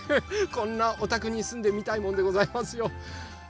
こんなおたくにすんでみたいもんでございますよ。